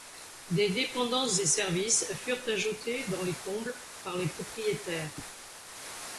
Des dépendances et services furent ajoutés dans les combles par les propriétaires.